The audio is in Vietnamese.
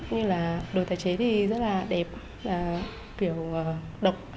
như là đồ tái chế thì rất là đẹp kiểu độc